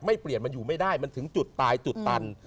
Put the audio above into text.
เปลี่ยนมันอยู่ไม่ได้มันถึงจุดตายจุดตัน